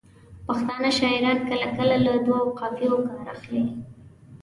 پښتانه شاعران کله کله له دوو قافیو کار اخلي.